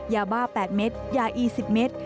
ยาบ้า๘เม็ดยาอี๑๐เมตร